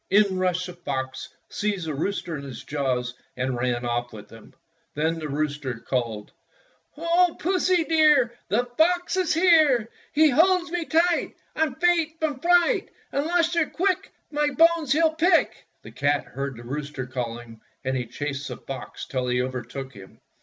In rushed the fox, seized the rooster in his jaws, and ran off with him. Then the rooster called: — "O Pussy, dear, The fox is here! He holds me tight —^ I'm faint from fright! Unless you 're quick My bones he'll pick!" The cat heard the rooster calling, and he chased the fox till he overtook him.